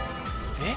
えっ⁉